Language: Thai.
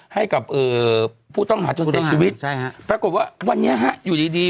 ให้กับผู้ต้องหาจนเสียชีวิตปรากฏว่าวันนี้ฮะอยู่ดีดี